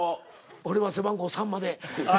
俺は背番号さんまで。